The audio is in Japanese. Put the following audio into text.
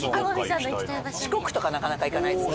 四国とかなかなか行かないです。